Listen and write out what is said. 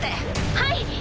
はい。